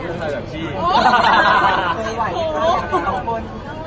ก็จะหลุยตัวนี้เลย